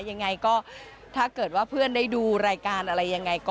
ยังไงก็ถ้าเกิดว่าเพื่อนได้ดูรายการอะไรยังไง